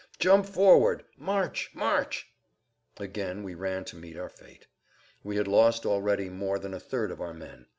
"Jump forward! March, march!" Again we ran to meet our fate. We had lost already more than a third of our men.